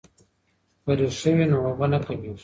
که ریښه وي نو اوبه نه کمیږي.